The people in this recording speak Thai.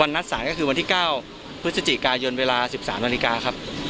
นัดศาลก็คือวันที่๙พฤศจิกายนเวลา๑๓นาฬิกาครับ